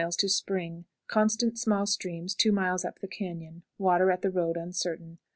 Spring. Constant small streams two miles up the cañon; water at the road uncertain.